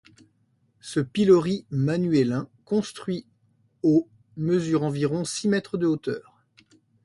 Ce pilori manuélin construit au mesure environ six mètres de hauteur.